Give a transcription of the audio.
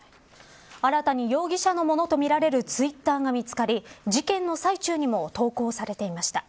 新たに容疑者のものとみられるツイッターが見つかり事件の最中にも投稿されていました。